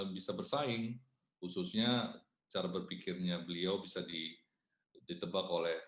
bisa bersaing khususnya cara berpikirnya beliau bisa ditebak oleh